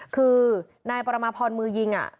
คือนายปรมาพรมือยิง